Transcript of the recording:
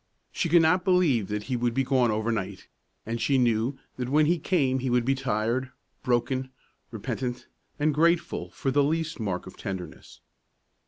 She could not believe that he would be gone over night, and she knew that when he came he would be tired, broken, repentant, and grateful for the least mark of tenderness.